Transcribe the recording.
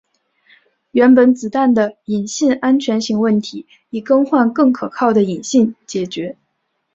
原本子弹的引信安全型问题以更换更可靠的引信解决。